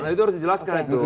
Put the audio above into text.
nah itu harus dijelaskan itu